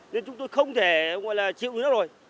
nên chúng tôi không thể chịu được nữa rồi